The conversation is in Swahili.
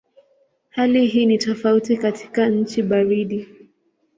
Hali hii ni tofauti katika nchi baridi.